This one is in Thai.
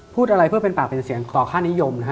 พูดอะไรเพื่อเป็นปากเป็นเสียงต่อค่านิยมนะฮะ